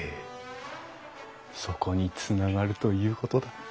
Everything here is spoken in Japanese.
そこにつながるということだ。